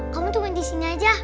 kamu cuma di sini aja